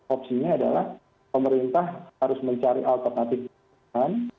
opsinya adalah pemerintah harus mencari alternatif pilihan